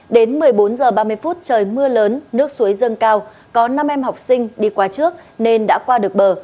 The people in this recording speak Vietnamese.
đến một mươi bốn h ba mươi trời mưa lớn nước suối dâng cao có năm em học sinh đi qua trước nên đã qua được bờ